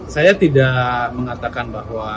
saya tidak mengatakan bahwa